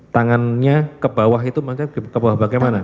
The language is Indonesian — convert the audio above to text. tangannya ke bawah itu maksudnya ke bawah bagaimana